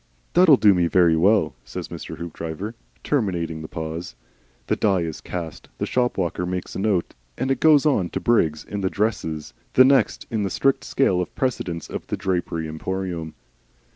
"That'll do me very well," said Mr. Hoopdriver, terminating the pause. The die is cast. The shop walker makes a note of it and goes on to Briggs in the "dresses," the next in the strict scale of precedence of the Drapery Emporium.